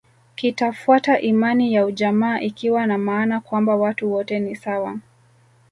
Kitafuata imani ya ujamaa ikiwa na maana kwamba watu wote ni sawa